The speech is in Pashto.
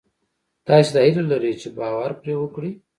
تاسې دا هیله لرئ چې باور پرې وکړئ